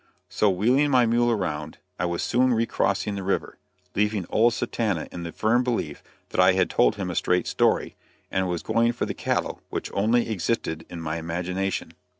So, wheeling my mule around, I was soon re crossing the river, leaving old Satanta in the firm belief that I had told him a straight story, and was going for the cattle, which only existed in my imagination.